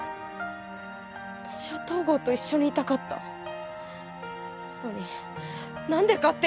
私は東郷と一緒にいたかったなのに何で勝手に？